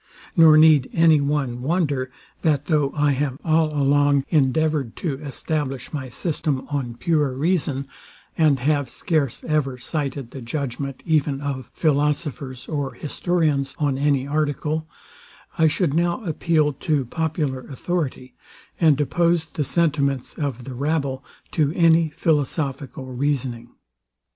Nor need any one wonder, that though I have all along endeavoured to establish my system on pure reason, and have scarce ever cited the judgment even of philosophers or historians on any article, I should now appeal to popular authority, and oppose the sentiments of the rabble to any philosophical reasoning.